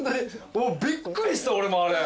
びっくりした俺もあれ。